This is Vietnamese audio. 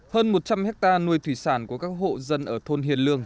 hơn một trăm linh hectare nuôi thủy sản của các hộ dân ở thôn hiền lương